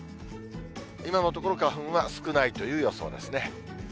今のところ、花粉は少ないという予想ですね。